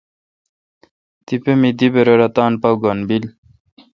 تپہ می دی برر اتاں پا گھن بیل۔